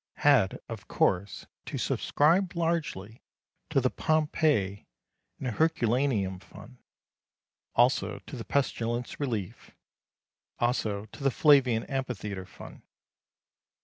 Had, of course, to subscribe largely to the Pompeii and Herculaneum fund, also to the pestilence relief, also to the Flavian Amphitheatre fund.